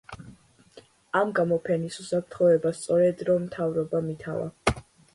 ამ გამოფენის უსაფრთხოება სწორედ რომ მთავრობამ ითავა.